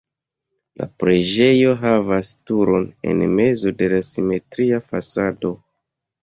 La preĝejo havas turon en mezo de la simetria fasado.